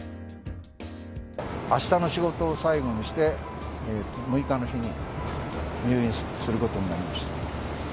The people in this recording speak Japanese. あしたの仕事を最後にして、６日の日に入院することになりました。